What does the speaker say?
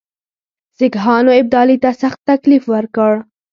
سیکهانو ابدالي ته سخت تکلیف ورکړ.